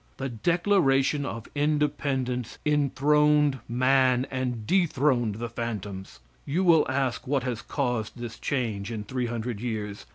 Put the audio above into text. The Declaration of Independence enthroned man and dethroned the phantoms. You will ask what has caused this change in three hundred years.